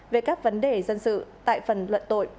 về các vấn đề dân sự tại phần luận tội